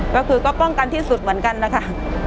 ก็คือก็ป้องกันที่สุดเหมือนกันนะคะ